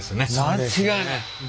間違いない。